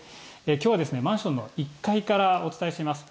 きょうはですね、マンションの１階からお伝えしています。